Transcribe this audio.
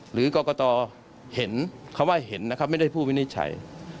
หรือกรกตเห็นคำว่าเห็นนะครับไม่ได้ผู้วินิจฉัย